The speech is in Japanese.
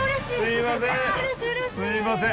すいません。